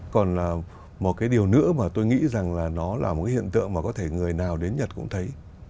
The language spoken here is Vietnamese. còn một cái điều nữa mà tôi nghĩ rằng là nó là một cái hiện tượng mà có thể người nào đến nhật cũng thấy